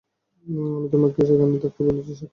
আমি তোমাকে সেখানে থাকতে বলেছি, সাক্ষী।